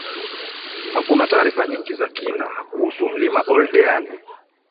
hakuna taarifa nyingi za kina kuhusu Mlima Oldeani